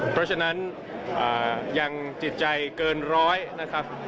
เพราะฉะนั้นยังจิตใจเกินร้อยนะครับ